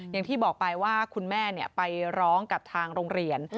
อย่างที่บอกไปว่าคุณแม่ไปร้องกับทางโรงเรียน